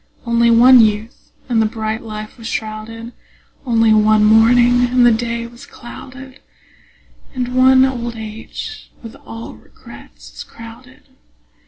Only one youth, and the bright life was shrouded; Only one morning, and the day was clouded; And one old age with all regrets is crowded.